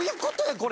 これ！